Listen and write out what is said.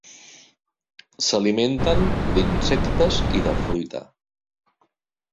S'alimenten d'insectes i de fruita.